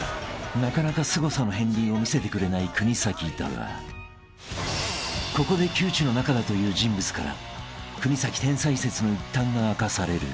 ［なかなかすごさの片りんを見せてくれない国崎だがここで旧知の仲だという人物から国崎天才説の一端が明かされる］